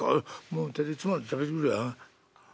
「もう手でつまんで食べてくれ」。